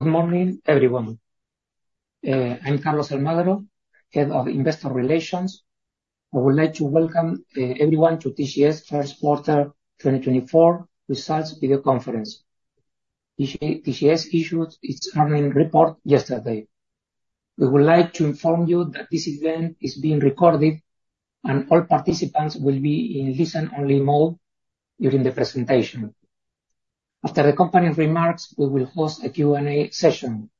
Good morning, everyone. I'm Carlos Almagro, Head of Investor Relations. I would like to welcome everyone to TGS First Quarter 2024 Results Video Conference. TGS issued its earnings report yesterday. We would like to inform you that this event is being recorded, and all participants will be in listen-only mode during the presentation. After the company remarks, we will host a Q&A session.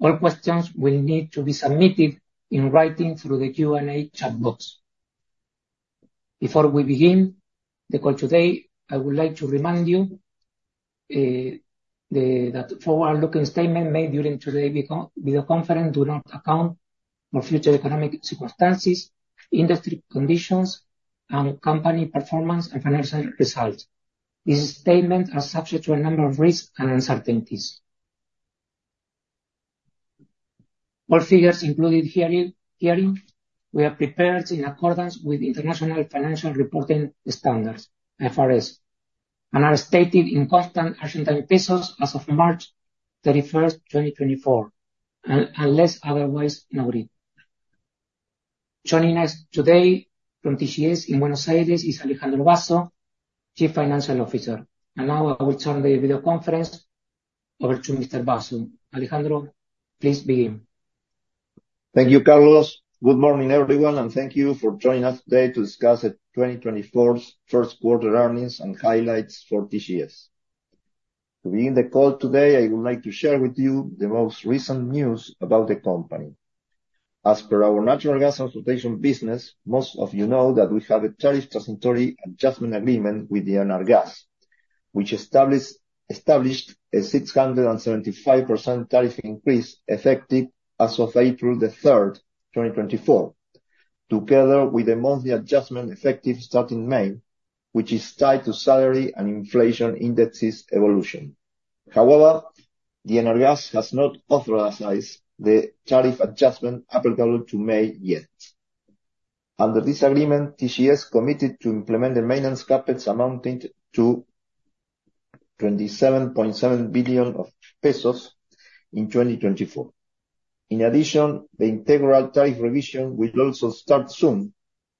All questions will need to be submitted in writing through the Q&A chat box. Before we begin the call today, I would like to remind you that forward-looking statements made during today's video conference do not account for future economic circumstances, industry conditions, and company performance and financial results. These statements are subject to a number of risks and uncertainties. All figures included here we have prepared in accordance with International Financial Reporting Standards (IFRS) and are stated in constant Argentine pesos as of March 31, 2024, unless otherwise noted. Joining us today from TGS in Buenos Aires is Alejandro Basso, Chief Financial Officer. Now I will turn the video conference over to Mr. Basso. Alejandro, please begin. Thank you, Carlos. Good morning, everyone, and thank you for joining us today to discuss the 2024 First Quarter earnings and highlights for TGS. To begin the call today, I would like to share with you the most recent news about the company. As per our natural gas transportation business, most of you know that we have a Tariff Transitory Adjustment Agreement with ENARGAS, which established a 675% tariff increase effective as of April 3, 2024, together with a monthly adjustment effective starting May, which is tied to salary and inflation indexes evolution. However, ENARGAS has not authorized the tariff adjustment applicable to May yet. Under this agreement, TGS committed to implement a maintenance CapEx amounting to 27.7 billion pesos in 2024. In addition, the integral tariff revision will also start soon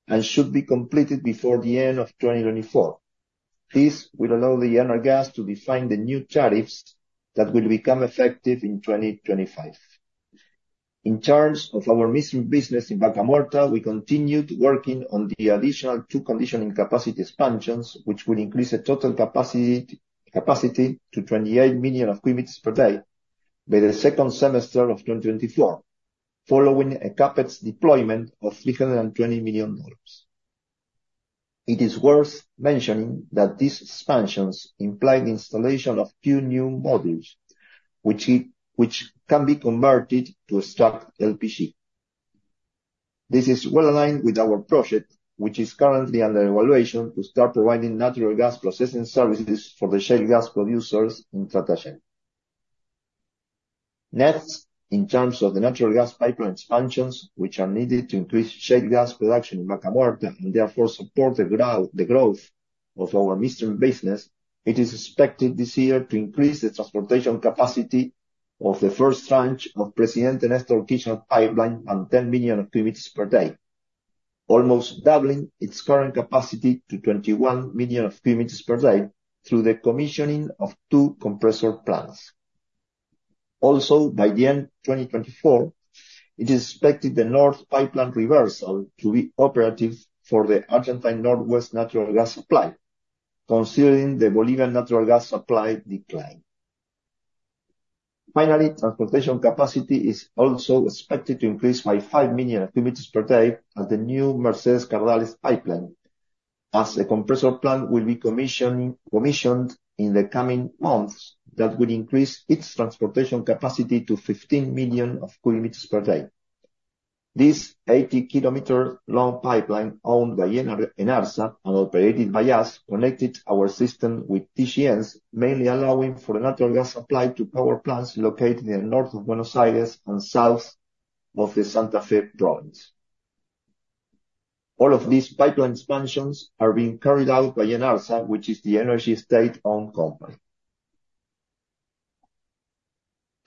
and should be completed before the end of 2024. This will allow ENARGAS to define the new tariffs that will become effective in 2025. In terms of our midstream business in Vaca Muerta, we continue working on the additional two conditioning capacity expansions, which will increase the total capacity to 28 million cubic meters per day by the second semester of 2024, following a CapEx deployment of $320 million. It is worth mentioning that these expansions imply the installation of few new modules, which can be converted to extract LPG. This is well aligned with our project, which is currently under evaluation to start providing natural gas processing services for the shale gas producers in Tratayen. Next, in terms of the natural gas pipeline expansions, which are needed to increase shale gas production in Vaca Muerta and therefore support the growth of our midstream business, it is expected this year to increase the transportation capacity of the first tranche of President Néstor Kirchner pipeline by 10 million cubic meters per day, almost doubling its current capacity to 21 million cubic meters per day through the commissioning of two compressor plants. Also, by the end of 2024, it is expected the north pipeline reversal to be operative for the Argentine Northwest natural gas supply, considering the Bolivian natural gas supply decline. Finally, transportation capacity is also expected to increase by 5 million cubic meters per day at the new Mercedes-Cardales pipeline, as a compressor plant will be commissioned in the coming months that will increase its transportation capacity to 15 million cubic meters per day. This 80-kilometer-long pipeline owned by ENARSA and operated by us connected our system with TGS, mainly allowing for the natural gas supply to power plants located in the north of Buenos Aires and south of the Santa Fe province. All of these pipeline expansions are being carried out by ENARSA, which is the energy state-owned company.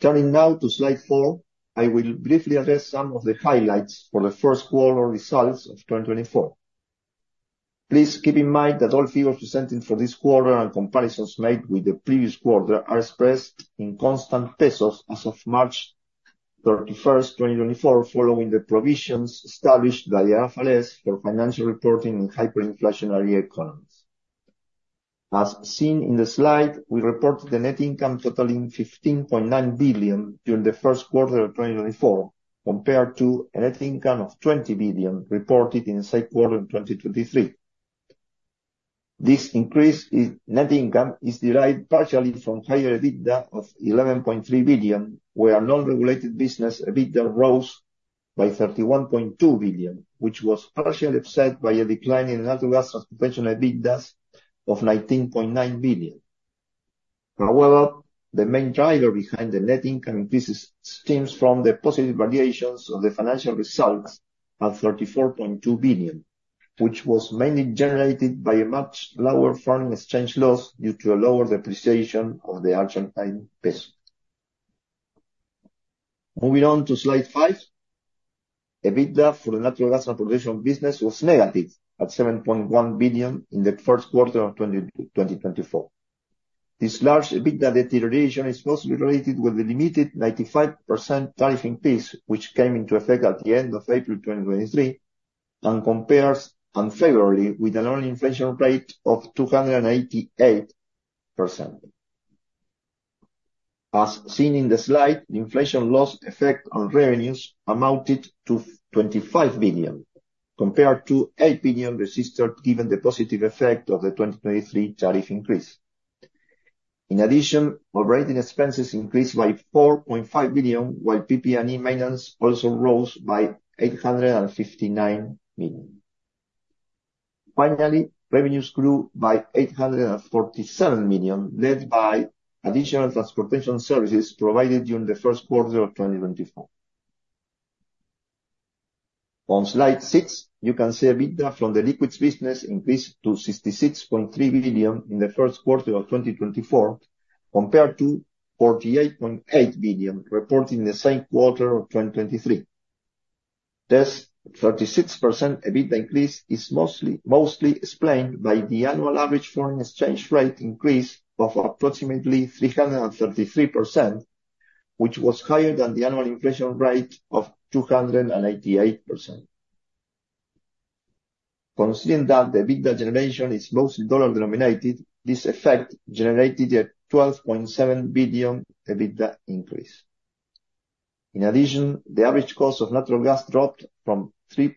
Turning now to slide four, I will briefly address some of the highlights for the first quarter results of 2024. Please keep in mind that all figures presented for this quarter and comparisons made with the previous quarter are expressed in constant pesos as of March 31, 2024, following the provisions established by IFRS for financial reporting in hyperinflationary economies. As seen in the slide, we reported the net income totaling 15.9 billion during the first quarter of 2024, compared to a net income of 20 billion reported in the same quarter in 2023. This increase in net income is derived partially from higher EBITDA of 11.3 billion, where non-regulated business EBITDA rose by 31.2 billion, which was partially upset by a decline in natural gas transportation EBITDAs of 19.9 billion. However, the main driver behind the net income increases stems from the positive variations of the financial results at 34.2 billion, which was mainly generated by a much lower foreign exchange loss due to a lower depreciation of the Argentine peso. Moving on to slide five. EBITDA for the natural gas transportation business was negative at 7.1 billion in the first quarter of 2024. This large EBITDA deterioration is mostly related with the limited 95% tariff increase, which came into effect at the end of April 2023, and compares unfavorably with a an inflation rate of 288%. As seen in the slide, the inflation loss effect on revenues amounted to 25 billion, compared to 8 billion registered given the positive effect of the 2023 tariff increase. In addition, operating expenses increased by 4.5 billion, while PP&E maintenance also rose by 859 million. Finally, revenues grew by 847 million, led by additional transportation services provided during the first quarter of 2024. On slide six, you can see EBITDA from the liquids business increased to 66.3 billion in the first quarter of 2024, compared to 48.8 billion reported in the same quarter of 2023. This 36% EBITDA increase is mostly explained by the annual average foreign exchange rate increase of approximately 333%, which was higher than the annual inflation rate of 288%. Considering that the EBITDA generation is mostly dollar-denominated, this effect generated a 12.7 billion EBITDA increase. In addition, the average cost of natural gas dropped from $3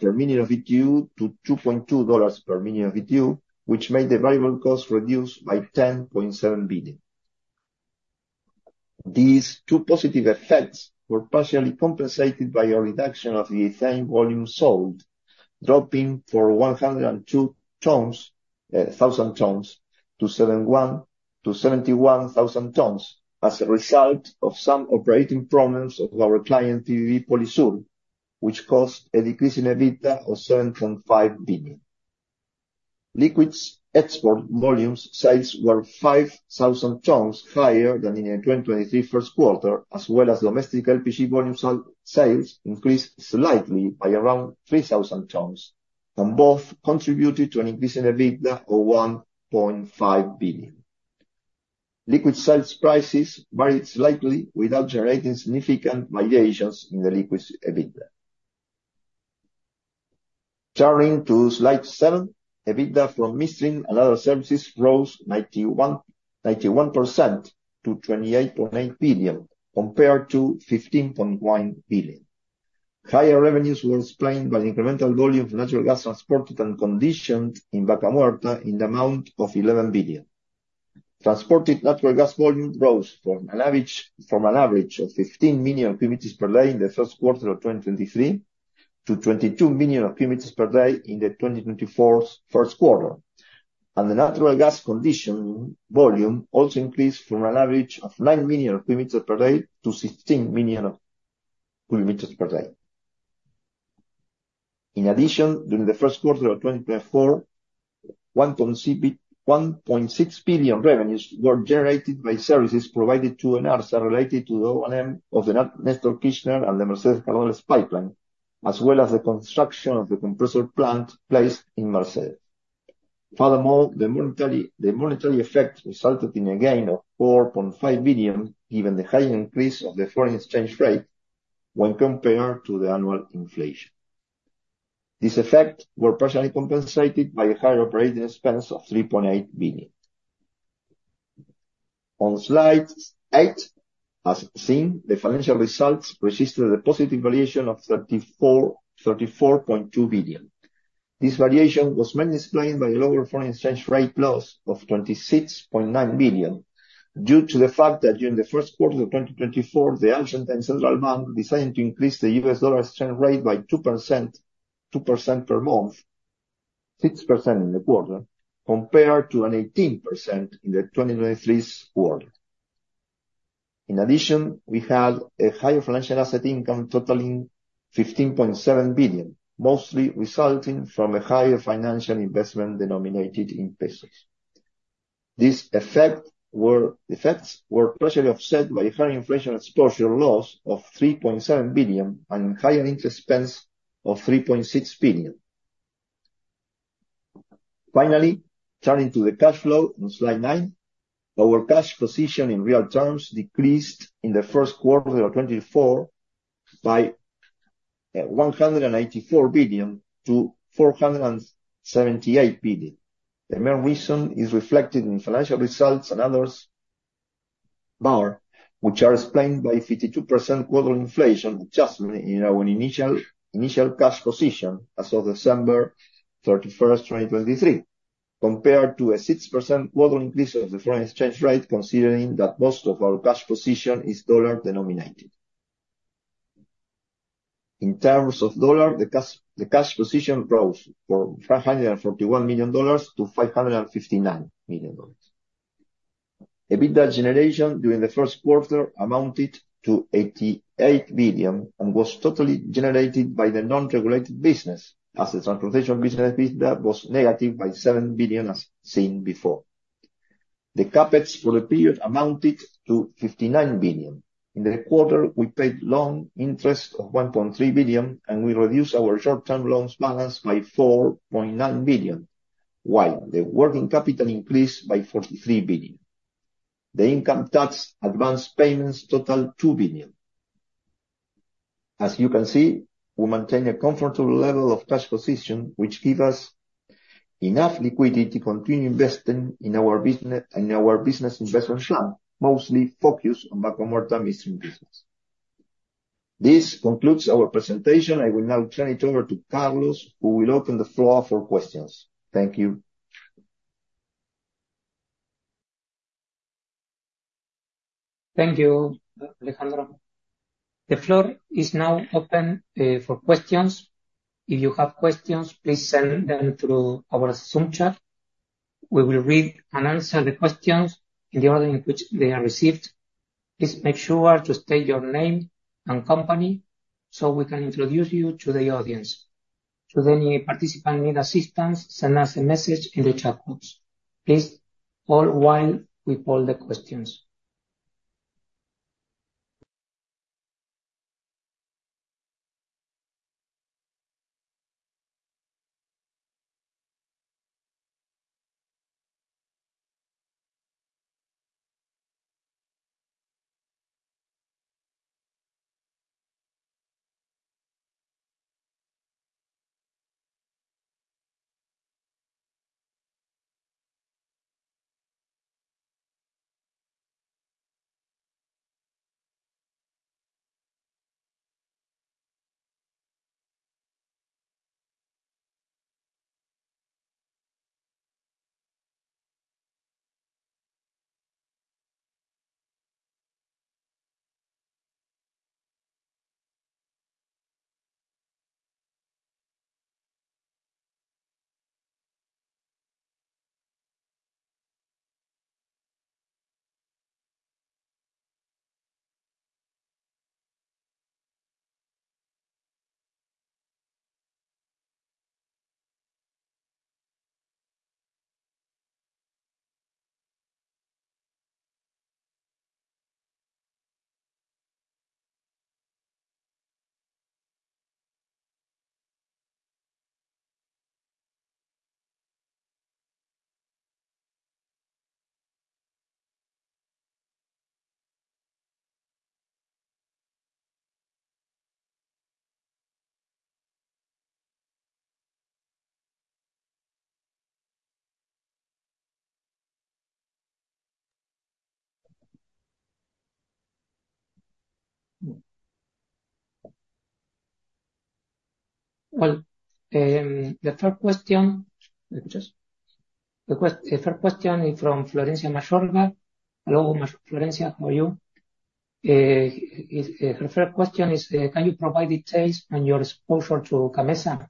per million of BTU to $2.2 per million of BTU, which made the variable cost reduced by 10.7 billion. These two positive effects were partially compensated by a reduction of the same volume sold, dropping from 102,000 tons to 71,000 tons as a result of some operating problems of our client PBB Polisur, which caused a decrease in EBITDA of 7.5 billion. Liquids export volume sales were 5,000 tons higher than in the 2023 first quarter, as well as domestic LPG volume sales increased slightly by around 3,000 tons, and both contributed to an increase in EBITDA of 1.5 billion. Liquid sales prices varied slightly without generating significant variations in the liquid EBITDA. Turning to slide seven, EBITDA from midstream and other services rose 91% to 28.8 billion, compared to 15.1 billion. Higher revenues were explained by the incremental volume of natural gas transported and conditioned in Vaca Muerta in the amount of 11 billion. Transported natural gas volume rose from an average of 15 million cubic meters per day in the first quarter of 2023 to 22 million cubic meters per day in the 2024 first quarter. The natural gas conditioning volume also increased from an average of 9 million cubic meters per day to 16 million cubic meters per day. In addition, during the first quarter of 2024, 1.6 billion revenues were generated by services provided to ENARSA related to the O&M of the Néstor Kirchner and the Mercedes-Cardales pipeline, as well as the construction of the compressor plant placed in Mercedes. Furthermore, the monetary effect resulted in a gain of 4.5 billion given the high increase of the foreign exchange rate when compared to the annual inflation. This effect was partially compensated by a higher operating expense of 3.8 billion. On slide eight, as seen, the financial results registered a positive variation of 34.2 billion. This variation was mainly explained by a lower foreign exchange rate loss of 26.9 billion due to the fact that during the first quarter of 2024, the Argentine Central Bank decided to increase the US dollar exchange rate by 2% per month, 6% in the quarter, compared to an 18% in the 2023 quarter. In addition, we had a higher financial asset income totaling 15.7 billion, mostly resulting from a higher financial investment denominated in pesos. This effect was partially upset by higher inflation exposure loss of 3.7 billion and higher interest expense of 3.6 billion. Finally, turning to the cash flow on slide nine, our cash position in real terms decreased in the first quarter of 2024 by 184 billion to 478 billion. The main reason is reflected in financial results and others, which are explained by 52% quarterly inflation adjustment in our initial cash position as of December 31, 2023, compared to a 6% quarterly increase of the foreign exchange rate considering that most of our cash position is dollar denominated. In terms of dollar, the cash position rose from $541 million to $559 million. EBITDA generation during the first quarter amounted to 88 billion and was totally generated by the non-regulated business as the transportation business EBITDA was negative by 7 billion as seen before. The CapEx for the period amounted to 59 billion. In the quarter, we paid loan interest of 1.3 billion and we reduced our short-term loans balance by 4.9 billion, while the working capital increased by 43 billion. The income tax advance payments totaled 2 billion. As you can see, we maintain a comfortable level of cash position, which gives us enough liquidity to continue investing in our business investment plan, mostly focused on Vaca Muerta midstream business. This concludes our presentation. I will now turn it over to Carlos, who will open the floor for questions. Thank you. Thank you, Alejandro. The floor is now open for questions. If you have questions, please send them through our Zoom chat. We will read and answer the questions in the order in which they are received. Please make sure to state your name and company so we can introduce you to the audience. Should any participant need assistance, send us a message in the chat box. Please, all while we poll the questions. Well, the first question is from Florencia Mayorga. Hello, Florencia, how are you? Her first question is, can you provide details on your exposure to CAMMESA?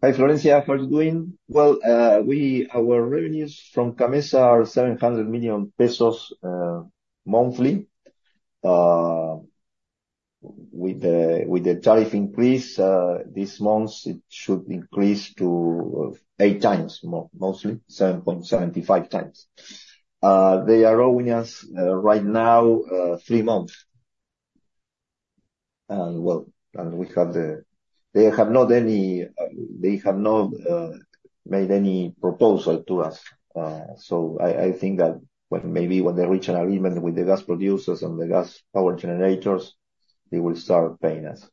Hi, Florencia, how are you doing? Well, our revenues from CAMMESA are 700 million pesos monthly. With the tariff increase this month, it should increase to eight times mostly, 7.75 times. They are owing us right now three months. And well, they have not made any proposal to us. So I think that maybe when they reach an agreement with the gas producers and the gas power generators, they will start paying us.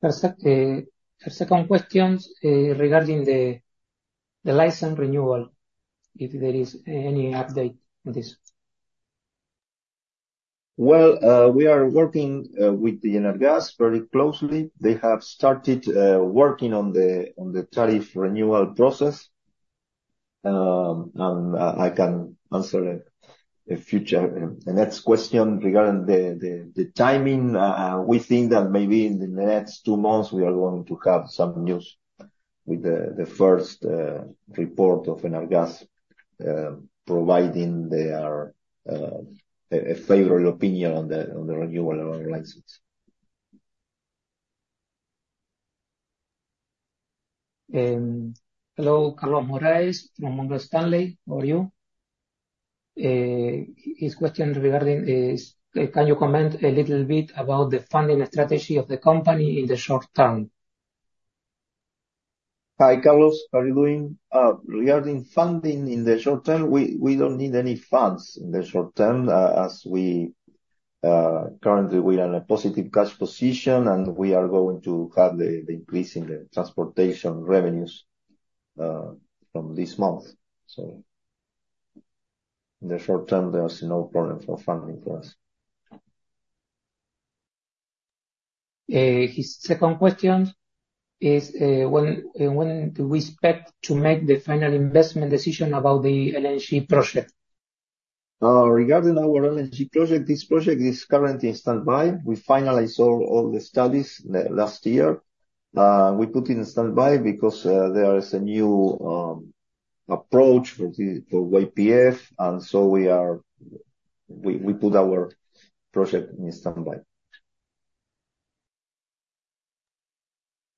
Perfect. Her second question is regarding the license renewal, if there is any update on this. Well, we are working with the ENARGAS very closely. They have started working on the tariff renewal process. I can answer a future a next question regarding the timing. We think that maybe in the next two months, we are going to have some news with the first report of ENARGAS providing their favorable opinion on the renewal of our license. Hello, Carlos Morales from Morgan Stanley, how are you? His question regarding is, can you comment a little bit about the funding strategy of the company in the short term? Hi, Carlos, how are you doing? Regarding funding in the short term, we don't need any funds in the short term as we currently we're in a positive cash position and we are going to have the increase in the transportation revenues from this month. So in the short term, there's no problem for funding for us. His second question is, when do we expect to make the final investment decision about the LNG project? Regarding our LNG project, this project is currently in standby. We finalized all the studies last year. We put it in standby because there is a new approach for YPF and so we put our project in standby.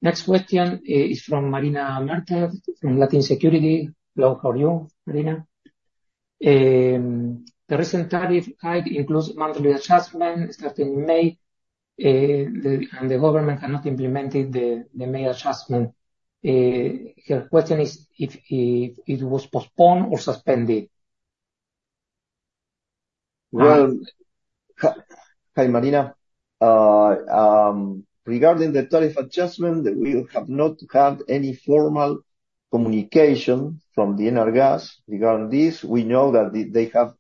Next question is from Marina Mertens from Latin Security. Hello, how are you, Marina? The recent tariff hike includes monthly adjustments starting in May, and the government has not implemented the May adjustment. Her question is if it was postponed or suspended. Well, hi, Marina. Regarding the tariff adjustment, we have not had any formal communication from ENARGAS regarding this. We know that they have,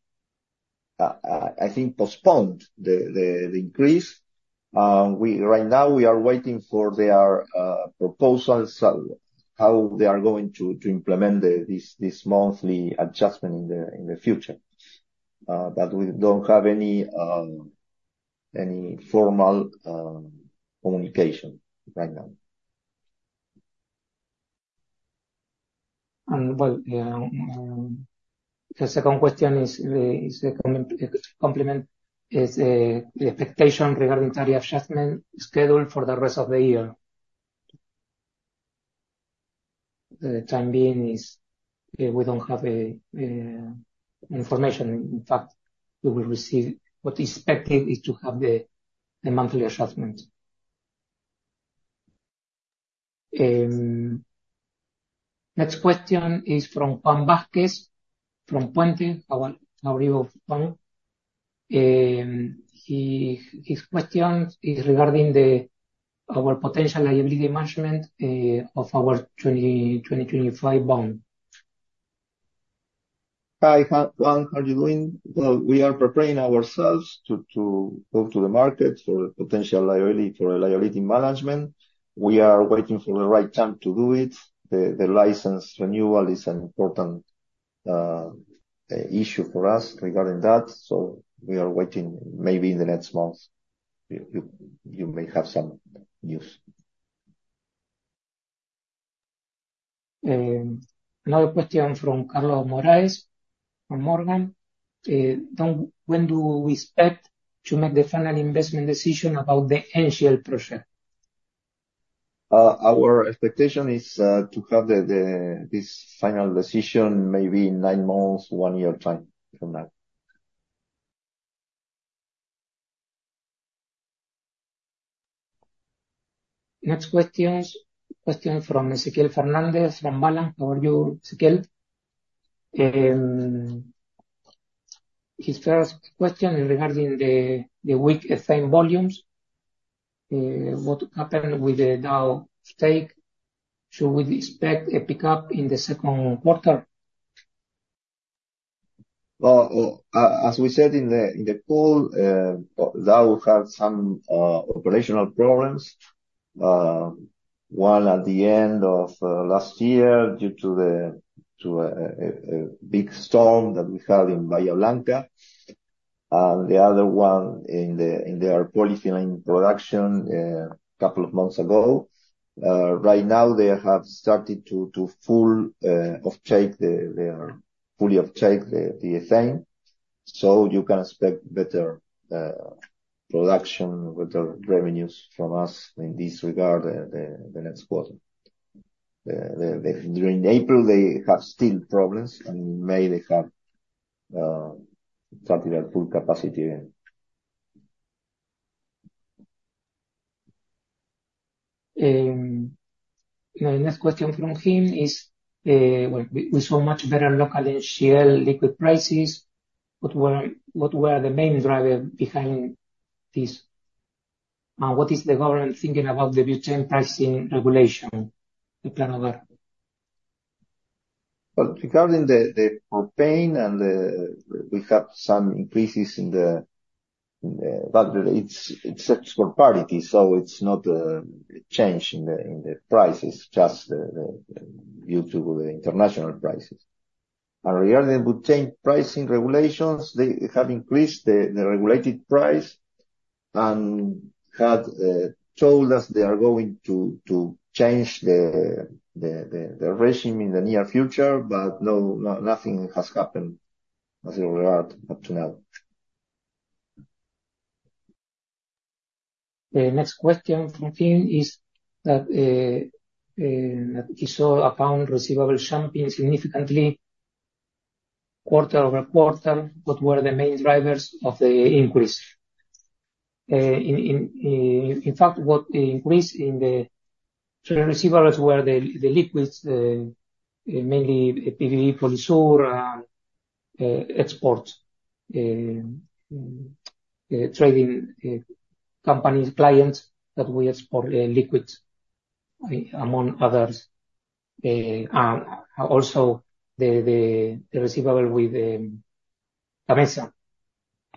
I think, postponed the increase. Right now, we are waiting for their proposals, how they are going to implement this monthly adjustment in the future. But we don't have any formal communication right now. Well, her second question is the complement is the expectation regarding tariff adjustment schedule for the rest of the year. The time being is we don't have information. In fact, we will receive what is expected is to have the monthly adjustment. Next question is from Juan Vázquez from Puente. How are you, Juan? His question is regarding our potential liability management of our 2025 bond. Hi, Juan. How are you doing? Well, we are preparing ourselves to go to the market for potential liability for liability management. We are waiting for the right time to do it. The license renewal is an important issue for us regarding that. So we are waiting maybe in the next month. You may have some news. Another question from Carlos Morales from Morgan. When do we expect to make the final investment decision about the NGL project? Our expectation is to have this final decision maybe in nine months, one year time from now. Next question is a question from Ezequiel Fernández from Balanz. How are you, Ezequiel? His first question is regarding the weak ethane volumes. What happened with the Dow stake? Should we expect a pickup in the second quarter? Well, as we said in the call, Dow had some operational problems. One at the end of last year due to a big storm that we had in Bahía Blanca. And the other one in their polyethylene production a couple of months ago. Right now, they have started to fully off-take their fully off-take the ethane. So you can expect better production, better revenues from us in this regard the next quarter. During April, they have still problems. In May, they have started at full capacity again. The next question from him is, well, we saw much better local NGL liquid prices. What were the main drivers behind this? And what is the government thinking about the butane pricing regulation, the plan of that? Well, regarding the propane and butane, we have some increases in the butane. It's export parity, so it's not a change in the prices, just due to the international prices. And regarding butane pricing regulations, they have increased the regulated price and had told us they are going to change the regime in the near future, but nothing has happened as regards up to now. The next question from him is that he saw accounts receivable jumping significantly quarter-over-quarter. What were the main drivers of the increase? In fact, what increased in the receivables were the liquids, mainly PBB, Polysur, export trading companies, clients that we export liquids, among others. Also, the receivable with CAMMESA.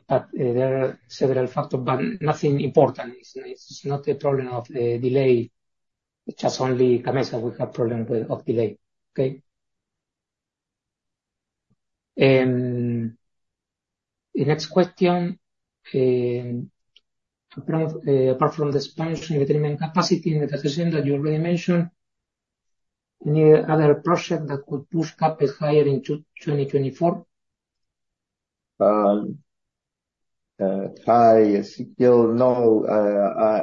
But there are several factors, but nothing important. It's not a problem of delay. It's just only CAMMESA. We have problem with delay, okay? The next question, apart from the expansion in transport capacity and the decision that you already mentioned, any other project that could push CapEx higher in 2024? Hi, Ezequiel, no,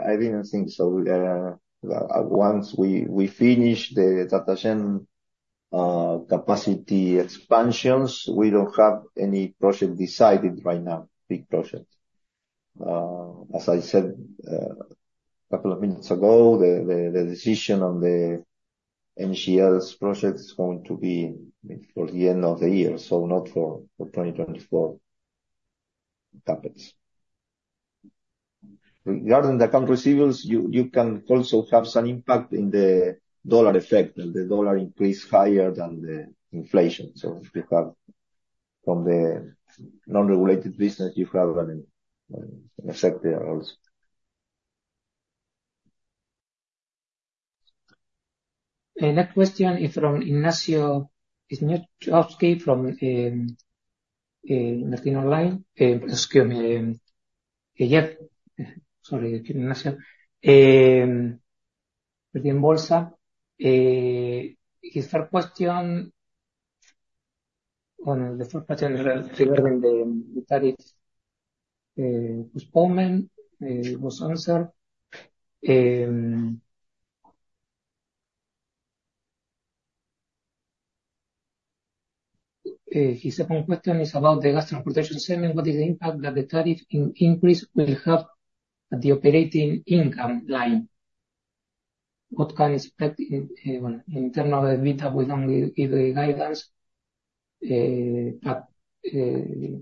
I didn't think so. Once we finish the Argentine capacity expansions, we don't have any project decided right now, big project. As I said a couple of minutes ago, the decision on the NGL's project is going to be for the end of the year, so not for 2024 CapEx. Regarding the accounts receivable, you can also have some impact in the dollar effect, and the dollar increase higher than the inflation. So from the non-regulated business, you have an effect there also. Next question is from Ignacio. It's not to ask him from Latin Securities. Excuse me. Yep. Sorry, Ignacio. Perdón, Bolsa. His first question or the first question regarding the tariff postponement was answered. His second question is about the gas transportation segment. What is the impact that the tariff increase will have on the operating income line? What can expect in terms of EBITDA within either guidance? In fact, the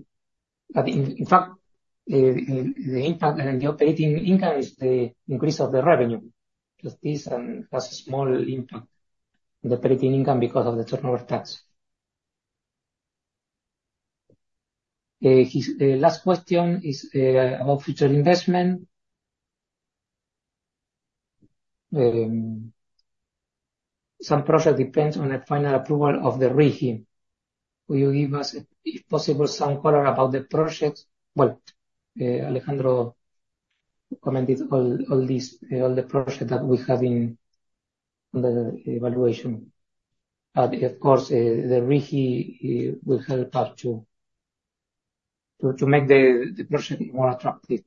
impact on the operating income is the increase of the revenue. Just this has a small impact on the operating income because of the turnover tax. His last question is about future investment. Some project depends on a final approval of the RIGI. Will you give us, if possible, some color about the project? Well, Alejandro commented all the projects that we have on the evaluation. Of course, the RIHI will help us to make the project more attractive.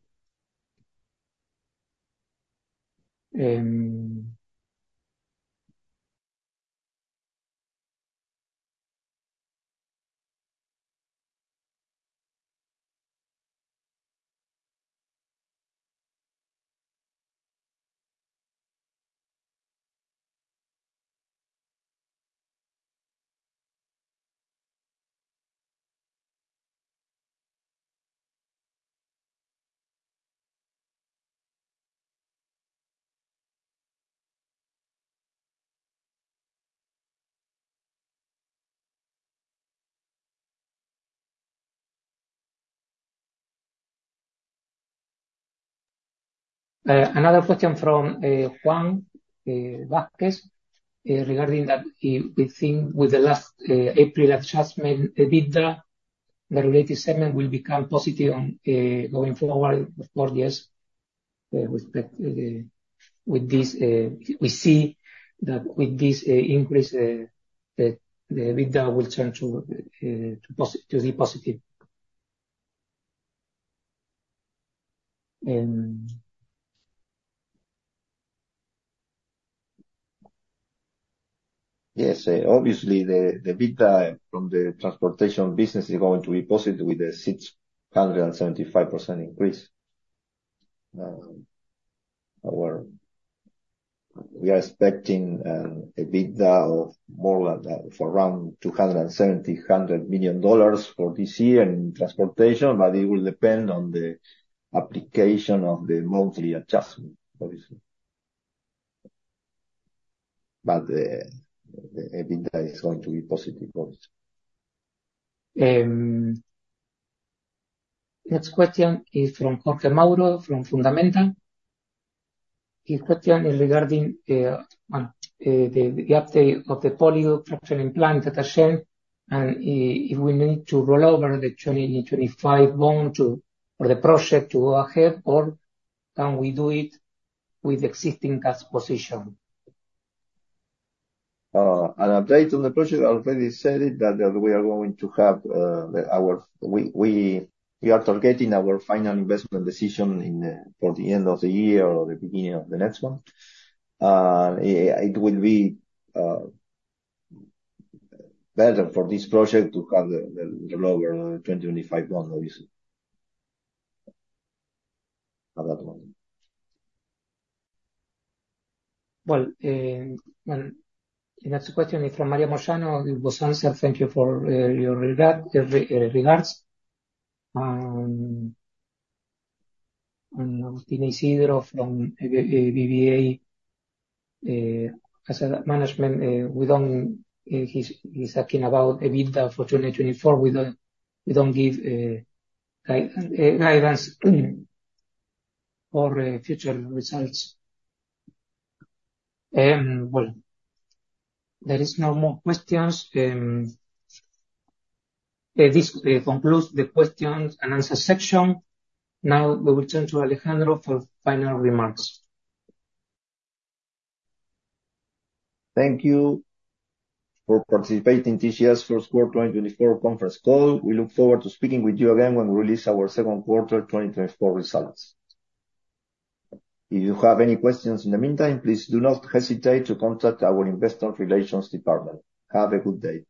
Another question from Juan Vázquez regarding that we think with the last April adjustment, VITA, the regulated segment will become positive going forward. Of course, yes. With this, we see that with this increase, the VITA will turn to be positive. Yes. Obviously, the VITA from the transportation business is going to be positive with a 675% increase. We are expecting a VITA of more than around $270 million for this year in transportation, but it will depend on the application of the monthly adjustment, obviously. But the VITA is going to be positive, obviously. Next question is from Jorge Mauro from Fundamenta. His question is regarding the update of the fractionation implementation data and if we need to roll over the 2025 bond for the project to go ahead or can we do it with the existing cash position? An update on the project. I already said it that we are targeting our final investment decision for the end of the year or the beginning of the next one. It will be better for this project to have the lower 2025 bond, obviously. Well, next question is from Mario Moyano. It was answered. Thank you for your regards. Tina Isidro from BBVA. As management, he's asking about a VITA for 2024. We don't give guidance for future results. Well, there are no more questions. This concludes the questions and answers section. Now we will turn to Alejandro for final remarks. Thank you for participating in TGS First Quarter 2024 conference call. We look forward to speaking with you again when we release our second quarter 2024 results. If you have any questions in the meantime, please do not hesitate to contact our investor relations department. Have a good day.